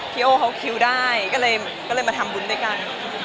โอเขาคิวได้ก็เลยมาทำบุญด้วยกัน